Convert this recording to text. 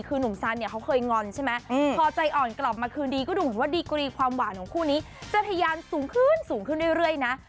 คู่นี้จะพยายามสูงขึ้นเรื่อยนะ